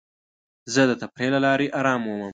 زه د تفریح له لارې ارام مومم.